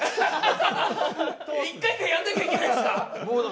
１回１回やんなきゃいけないですか！？